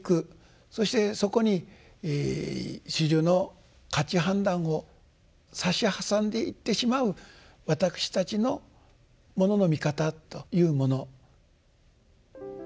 そしてそこに種々の価値判断を差し挟んでいってしまう私たちのものの見方というもの。